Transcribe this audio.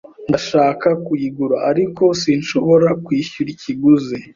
Ndashaka kuyigura, ariko sinshobora kwishyura ikiguzi.